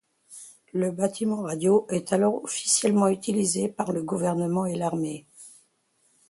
Le bâtiment radio est alors officiellement utilisé par le gouvernement et l'armée.